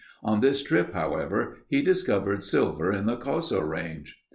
On this trip, however, he discovered silver in the Coso Range.